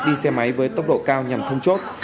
đi xe máy với tốc độ cao nhằm thông chốt